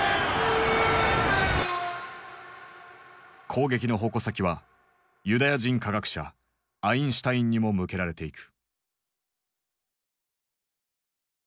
攻撃の矛先はユダヤ人科学者アインシュタインにも向けられていく。